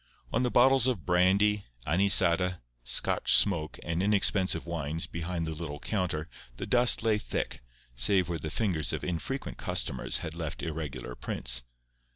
On the bottles of brandy, anisada, Scotch "smoke" and inexpensive wines behind the little counter the dust lay thick save where the fingers of infrequent customers had left irregular prints.